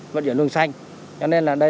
vận chuyển luồng xanh cho nên là đây